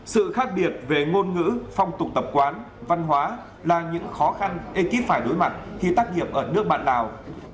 sự khác biệt về ngôn ngữ phong tục tập quán văn hóa là những khó khăn ekip phải đối mặt khi tác nghiệp ở nước bạn lào